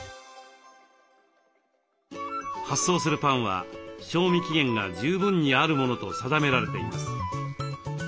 発送するパンは賞味期限が十分にあるものと定められています。